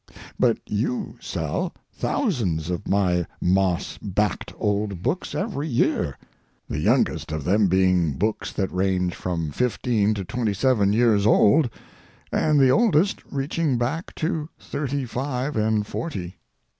But you sell thousands of my moss backed old books every year—the youngest of them being books that range from fifteen to twenty seven years old, and the oldest reaching back to thirty five and forty.